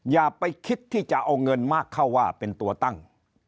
อย่าไปคิดที่จะเอาเงินมากเข้าว่าเป็นตัวตั้ง